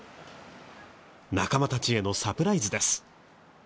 仲間たちへのサプライズです。